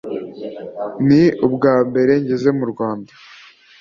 ni ubwa mbere ngeze mu Rwanda